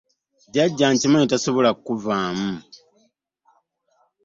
Jjajja nkimanyi tosobola kunvaamu.